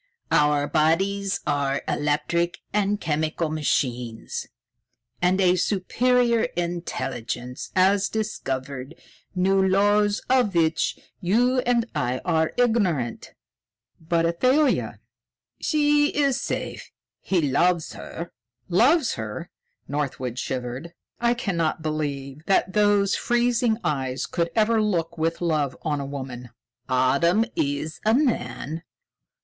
Our bodies are electric and chemical machines; and a super intelligence has discovered new laws of which you and I are ignorant." "But Athalia...." "She is safe; he loves her." "Loves her!" Northwood shivered. "I cannot believe that those freezing eyes could ever look with love on a woman." "Adam is a man.